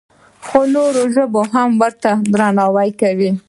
خو نورو ژبو ته هم درناوی وکړو.